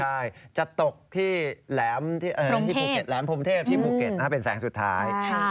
ใช่จะตกที่ภูเก็ตแหลมพรมเทพที่ภูเก็ตเป็นแสงสุดท้าย